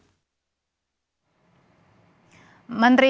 sejujurnya dengan benar itu bahwa